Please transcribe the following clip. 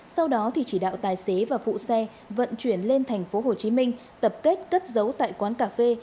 sau đó thì chỉ đạo tài xế và phụ xe vận chuyển lên tp hcm tập kết cất giấu tại quán cà phê